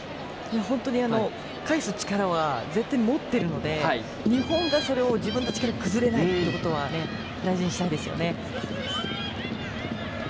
返す力は絶対、持っているので日本が、それを自分たちから崩れないってことは大事にしたいですよね。